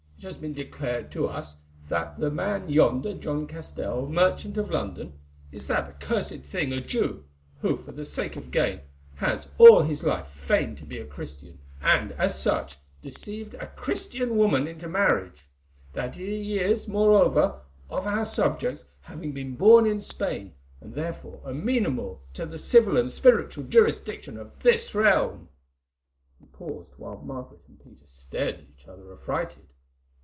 It has been declared to us that the man yonder, John Castell, merchant of London, is that accursed thing, a Jew, who for the sake of gain has all his life feigned to be a Christian, and, as such, deceived a Christian woman into marriage; that he is, moreover, of our subjects, having been born in Spain, and therefore amenable to the civil and spiritual jurisdiction of this realm." He paused, while Margaret and Peter stared at each other affrighted.